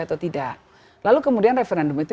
atau tidak lalu kemudian referendum itu